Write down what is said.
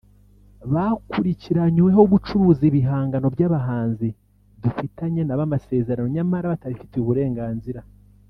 bakurikiranyweho gucuruza ibihangano by’abahanzi dufitanye nabo amasezerano nyamara batabifitiye uburenganzira